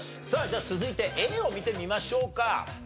さあでは続いてＡを見てみましょうか。